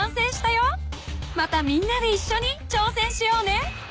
［またみんなでいっしょにちょうせんしようね］